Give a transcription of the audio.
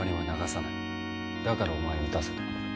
だからお前に撃たせた。